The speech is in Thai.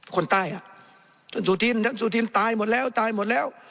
คนใต้อ่ะท่านสุธินท่านสุธินตายหมดแล้วตายหมดแล้ว